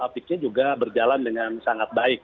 saat dalam apc juga berjalan dengan sangat intensif